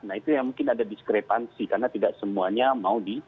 nah itu yang mungkin ada diskrepansi karena tidak semuanya mau di